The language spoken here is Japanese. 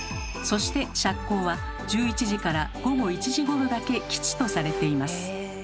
そして「赤口」は１１時から午後１時ごろだけ吉とされています。